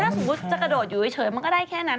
ถ้าสมมุติจะกระโดดอยู่เฉยมันก็ได้แค่นั้น